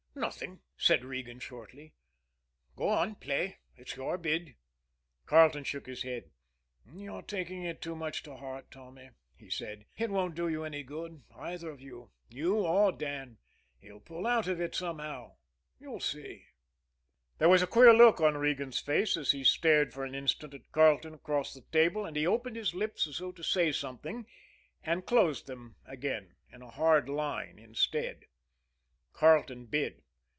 "Nothing," said Regan shortly. "Go on, play; it's your bid." Carleton shook his head. "You're taking it too much to heart, Tommy," he said. "It won't do you any good either of you you or Dan. He'll pull out of it somehow. You'll see." There was a queer look on Regan's face as he stared for an instant at Carleton across the table, and he opened his lips as though to say something and closed them again in a hard line instead. Carleton bid.